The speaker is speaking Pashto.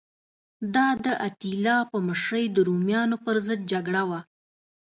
دا د اتیلا په مشرۍ د رومیانو پرضد جګړه وه